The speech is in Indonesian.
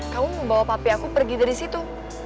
kamu mau bawa papi aku pergi dari situ